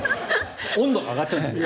温度が上がっちゃうんです。